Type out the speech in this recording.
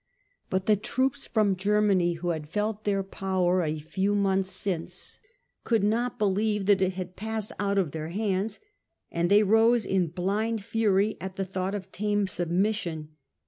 But the troops from Germany, who had felt their power a few months since, could not believe that it had passed out of their hands, and they rose in blind fury at the thought of tame submission.